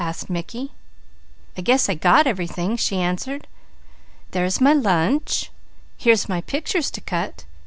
asked Mickey. "I guess I got everything," she answered. "There's my lunch. Here's my pictures to cut.